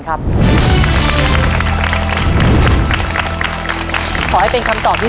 ขอให้เป็นคำตอบที่